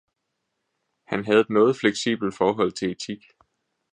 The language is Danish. Han havde et noget fleksibelt forhold til etik.